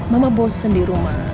mama bosen di rumah